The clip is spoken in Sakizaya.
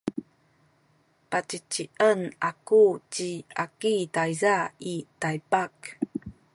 pacicien aku ci Aki tayza i Taypak.